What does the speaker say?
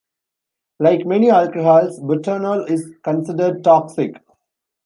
Like many alcohols, butanol is considered toxic.